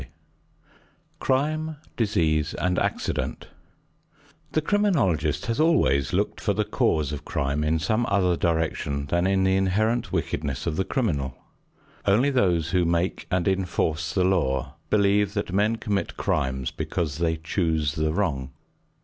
XXXIII CRIME, DISEASE AND ACCIDENT The criminologist has always looked for the cause of crime in some other direction than in the inherent wickedness of the criminal. Only those who make and enforce the law believe that men commit crimes because they choose the wrong.